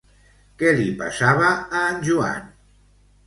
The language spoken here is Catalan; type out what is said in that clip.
Què li passava a en Joan?